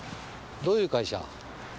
どういう会社？